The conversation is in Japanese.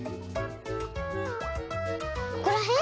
ここらへん？